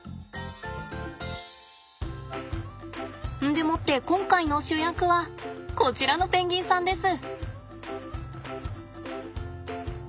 でもって今回の主役はこちらのペンギンさんです。